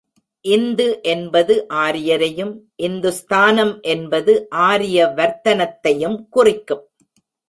இந்து என்பது ஆரியரையும், இந்துஸ்தானம் என்பது ஆரிய வர்த்தனத்தையும் குறிக்கும்.